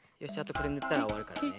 これぬったらおわるからね。